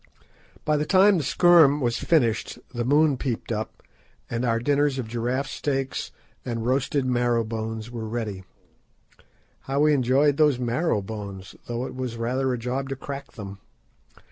By the time the "scherm" was finished the moon peeped up, and our dinners of giraffe steaks and roasted marrow bones were ready. How we enjoyed those marrow bones, though it was rather a job to crack them!